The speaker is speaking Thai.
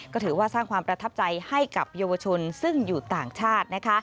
ก็ถือว่าสร้างความประทับใจให้กับเยาวชนซึ่งอยู่ต่างชาตินะคะ